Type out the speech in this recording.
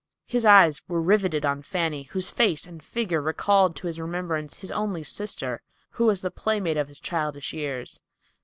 His eyes were riveted on Fanny, whose face and figure recalled to his remembrance his only sister, who was the playmate of his childish years.